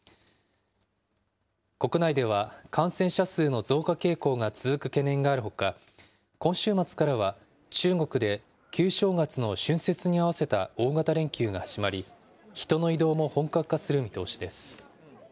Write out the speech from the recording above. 国内では、感染者数の増加傾向が続く懸念があるほか、今週末からは、中国で旧正月の春節に合わせた大型連休が始まり、人の移動も本格化する見通しです。